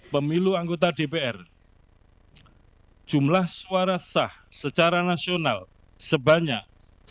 pemilu anggota dpr jumlah suara sah secara nasional sebanyak